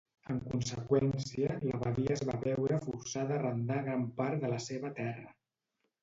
En conseqüència, l'abadia es va veure forçada a arrendar gran part de la seva terra.